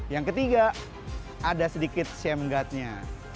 yang ketiga ada sedikit shame guard nya